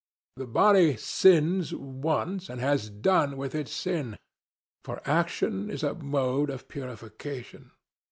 The body sins once, and has done with its sin, for action is a mode of purification.